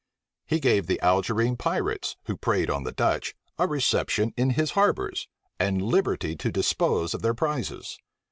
He gave the Algerine pirates, who preyed on the Dutch, a reception in his harbors, and liberty to dispose of their prizes.